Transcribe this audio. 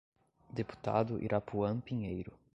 Deputado Irapuan Pinheiro